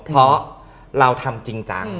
เพราะเราทำจริงจัง